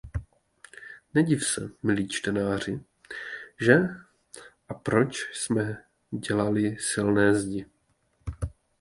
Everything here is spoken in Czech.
Nediv se, milý čtenáři, že a proč jsme dělali silné zdi.